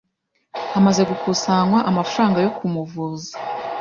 hamaze gukusanywa amafaranga yo kumuvuza